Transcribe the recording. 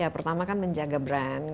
pertama menjaga brand